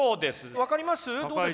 分かります？